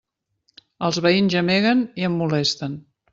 Els veïns gemeguen i em molesten.